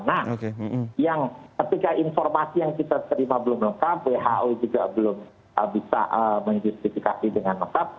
nah yang ketika informasi yang kita terima belum lengkap who juga belum bisa menjustifikasi dengan lengkap